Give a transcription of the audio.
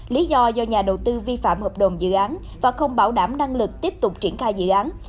lý do do nhà đầu tư vi phạm hợp đồng dự án và không bảo đảm năng lực tiếp tục triển khai dự án